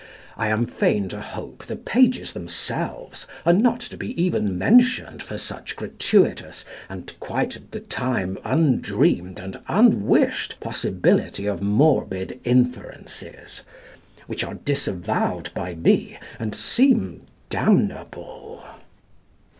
I am fain to hope the pages themselves are not to be even mentioned for such gratuitous and quite at the time undreamed and unwished possibility of morbid inferences which are disavowed by me and seem damnable."